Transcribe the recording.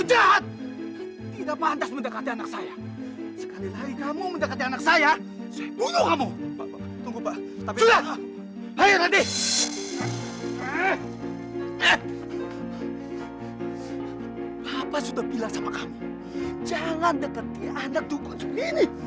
jangan deket dia anak juku seperti ini